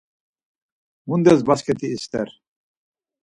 Mundes basǩet̆i ister?